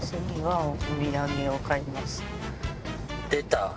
出た！